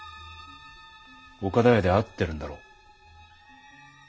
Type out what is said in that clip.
岡田屋で会ってるんだろう？